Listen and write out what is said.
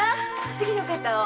次の方を。